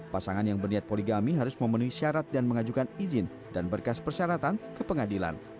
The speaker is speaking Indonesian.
pasangan yang berniat poligami harus memenuhi syarat dan mengajukan izin dan berkas persyaratan ke pengadilan